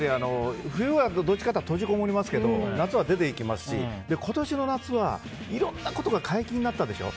冬はどちらかというと閉じこもりますけど夏は出て行きますし今年の夏はいろんなことが解禁になったでしょ。